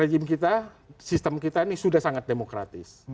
rejim kita sistem kita ini sudah sangat demokratis